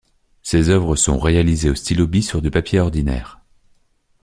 Ses œuvres sont réalisées au stylo bille sur du papier ordinaire.